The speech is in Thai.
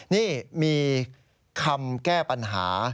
นี่มีคำแก้ปัญหา